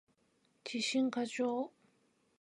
自信過剰